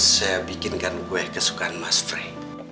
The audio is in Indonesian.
saya bikinkan kue kesukaan mas frey